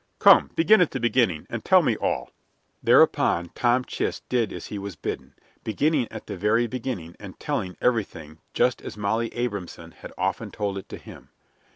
Come, begin at the beginning, and tell me all." Thereupon Tom Chist did as he was bidden, beginning at the very beginning and telling everything just as Molly Abrahamson had often told it to him.